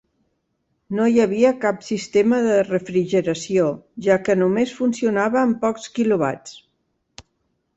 No hi havia cap sistema de refrigeració, ja que només funcionava amb pocs kilowatts.